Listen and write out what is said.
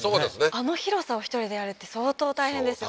あの広さを１人でやるって相当大変ですよね